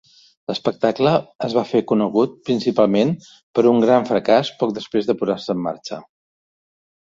L'espectacle es va fer conegut principalment per un gran fracàs poc després de posar-se en marxa.